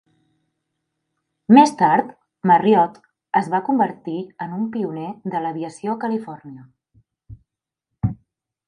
Més tard, Marriott es va convertir en un pioner de l'aviació a Califòrnia.